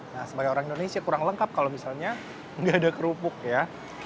nah sebagai orang indonesia kurang lengkap kalau misalnya nggak ada kerupuk ya